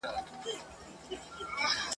د لوروونکي مور په څېر تر سره سوې ده